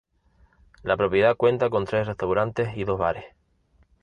La propiedad cuenta con tres restaurantes y dos bares.